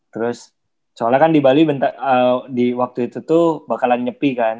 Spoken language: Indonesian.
terus soalnya kan di bali di waktu itu tuh bakalan nyepi kan